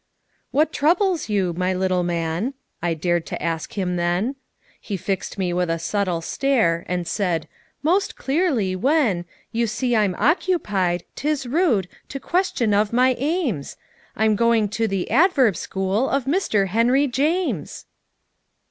"What troubles you, my little man?" I dared to ask him then, He fixed me with a subtle stare, And said, "Most clearly, when "You see I'm occupied, it's rude To question of my aims I'm going to the adverb school Of Mr. Henry James!"